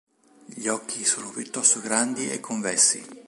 Gli occhi sono piuttosto grandi e convessi.